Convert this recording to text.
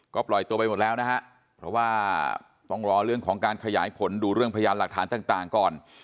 ก็ปล่อยตัวไปหมดแล้วนะฮะเพราะว่าต้องรอเรื่องของการขยายผลดูเรื่องพยานหลักฐานต่างก่อน